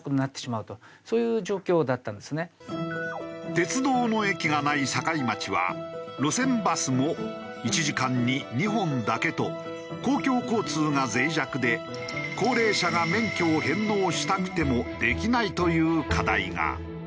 鉄道の駅がない境町は路線バスも１時間に２本だけと公共交通が脆弱で高齢者が免許を返納したくてもできないという課題が。